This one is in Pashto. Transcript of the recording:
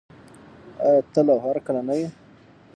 آیا تل او هرکله نه وي؟